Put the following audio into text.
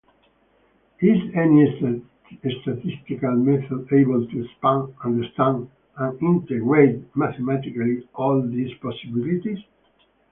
Is any statistical method able to span, understand and integrate mathematically all these possibilities?